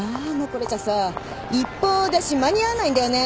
これじゃさ一報出し間に合わないんだよね。